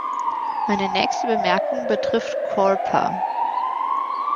Meine nächste Bemerkung betrifft Coreper.